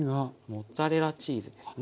モッツァレラチーズですね。